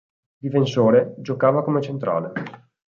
Difensore, giocava come centrale.